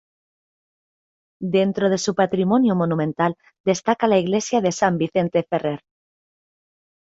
Dentro de su patrimonio monumental destaca la iglesia de San Vicente Ferrer.